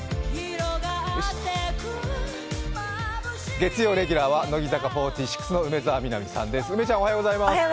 月曜レギュラーは乃木坂４６の梅澤美波さんです。